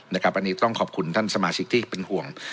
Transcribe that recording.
อันนี้ต้องขอบคุณท่านสมาชิกที่เป็นห่วง